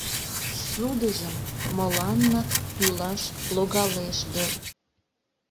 Ссудыжым мыланнак тӱлаш логалеш дыр...